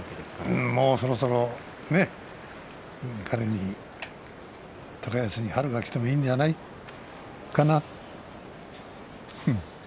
もうそろそろ彼に高安に春がきてもいいんじゃないかな。